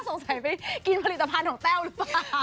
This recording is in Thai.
สงสัยไปกินผลิตภัณฑ์ของแต้วหรือเปล่า